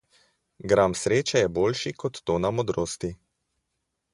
Gram sreče je boljši kot tona modrosti.